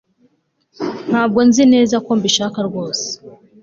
ntabwo nzi neza ko mbishaka rwose